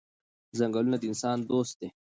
ځنګلونه د انسان دوست دي.